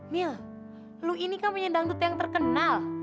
mil lo ini kan punya dangdut yang terkenal